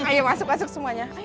ayo masuk masuk semuanya